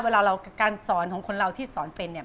เวลาเราการสอนของคนเราที่สอนเป็นเนี่ย